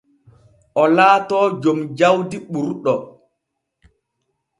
O laatoo jom jawdi ɓurɗo.